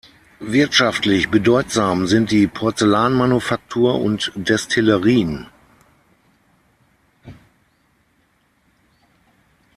Wirtschaftlich bedeutsam sind die Porzellanmanufaktur und Destillerien.